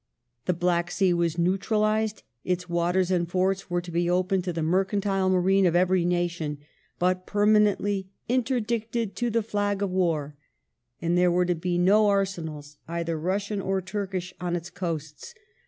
The Black Sea was neutralized, its waters and forts were to be open to the mercantile marine of eveiy nation, but per manently " interdicted to the flag of war," and there were to be no ai senals, either Russian or Turkish, on its coasts.